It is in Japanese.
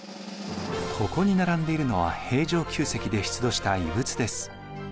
ここに並んでいるのは平城宮跡で出土した遺物です。